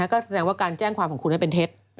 ก็แสดงว่าการแจ้งความของคุณนั้นเป็นเท็จ